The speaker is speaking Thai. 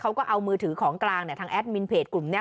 เขาก็เอามือถือของกลางทางแอดมินเพจกลุ่มนี้